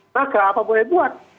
maka apa boleh dibuat